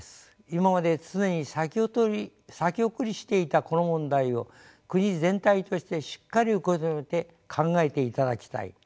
今まで常に先送りしていたこの問題を国全体としてしっかり受け止めて考えていただきたい。